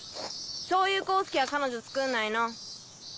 そういう功介は彼女つくんないの？